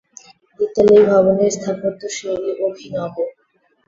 দ্বিতল এই ভবনের স্থাপত্য শৈলী অভিনব।